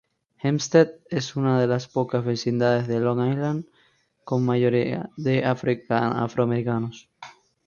Hempstead es una de las pocas vecindades de Long Island con mayoría de afroamericanos.